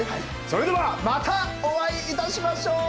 それではまたお会いいたしましょう。